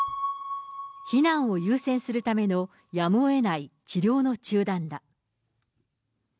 避難を優先するための、やむをえない治療の中断だ。